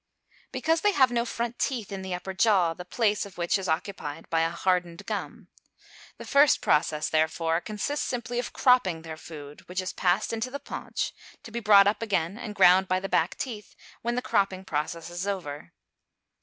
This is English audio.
_ Because they have no front teeth in the upper jaw, the place of which is occupied by a hardened gum. The first process, therefore, consists simply of cropping their food, which is passed into the paunch, to be brought up again and ground by the back teeth when the cropping process is over.